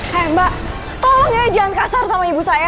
hei mbak tolong ya jangan kasar sama ibu saya